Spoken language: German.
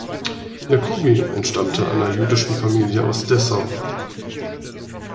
Jacoby entstammte einer jüdischen Familie aus Dessau.